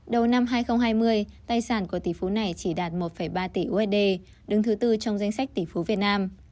đầu năm hai nghìn hai mươi tài sản của tỷ phú này chỉ đạt một ba tỷ usd đứng thứ tư trong danh sách tỷ phú việt nam